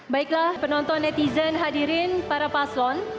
baiklah penonton netizen hadirin para paslon